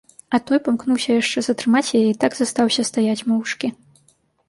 А той памкнуўся яшчэ затрымаць яе і так застаўся стаяць моўчкі.